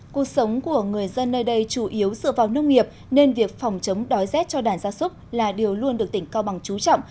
cuộc sống của người dân nơi đây chủ yếu dựa vào nông nghiệp nên việc phòng chống đói rét cho đàn gia súc là điều luôn được tỉnh cao bằng trú trọng